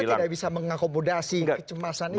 dan mk tidak bisa mengakomodasi kecemasan itu